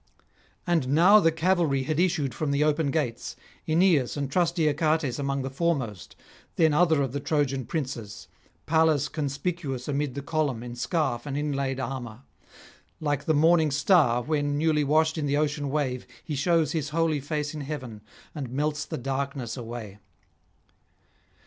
And now the cavalry had issued from the open gates, Aeneas and trusty Achates among the foremost, then other of the Trojan princes, Pallas conspicuous amid the column in scarf and inlaid armour; like the Morning Star, when, newly washed in the ocean wave, he shews his holy face in heaven, and melts the darkness away.